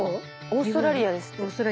オーストラリア。